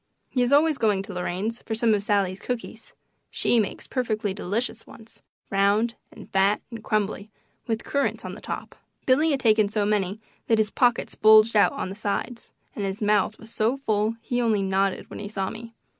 He is always going to Lorraine's for some of Sallie's cookies she makes perfectly delicious ones, round and fat and crumbly, with currants on the top. Billy had taken so many that his pockets bulged out on the sides, and his mouth was so full he only nodded when he saw me.